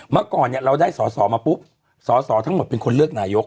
มาก่อนเราได้สสมาปุ๊ปสสทั้งหมดเป็นคนเลือกนายก